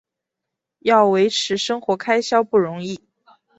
要维持生活开销不容易